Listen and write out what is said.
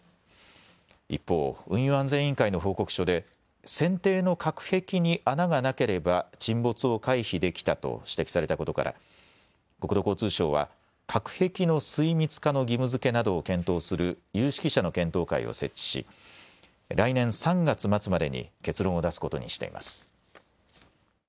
一方、運輸安全委員会の報告書で船底の隔壁に穴がなければ沈没を回避できたと指摘されたことから国土交通省は隔壁の水密化の義務づけなどを検討する有識者の検討会を設置し来年３月末までに結論を出すことにしています。